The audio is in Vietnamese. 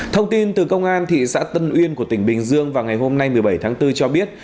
thông tin từ công an thị xã tân uyên của tỉnh bình dương vào ngày hôm nay một mươi bảy tháng bốn cho biết